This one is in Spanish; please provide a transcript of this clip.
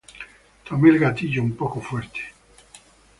Tome el gatillo un poco fuerte.